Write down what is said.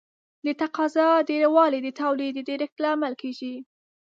د تقاضا ډېروالی د تولید د ډېرښت لامل کیږي.